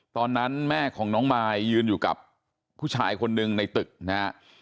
ตอนนั้นแม่ของน้องมายยืนอยู่กับผู้ชายคนหนึ่งในตึกนะฮะ